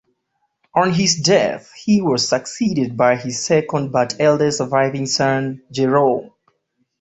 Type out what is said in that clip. On his death, he was succeeded by his second but eldest surviving son, Jerome.